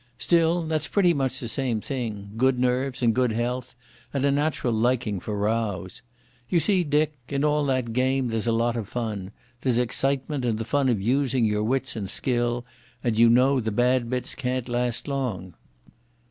Still, that's pretty much the same thing—good nerves and good health, and a natural liking for rows. You see, Dick, in all that game there's a lot of fun. There's excitement and the fun of using your wits and skill, and you know that the bad bits can't last long.